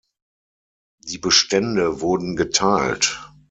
Die Bestände wurden geteilt.